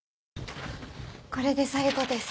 これで最後です。